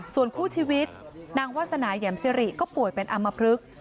ส่วนคู่ชีวิตนางวาสนายมซิริก็ป่วยเป็นอำมพลึก